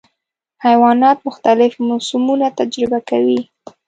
حیوانات مختلف موسمونه تجربه کوي.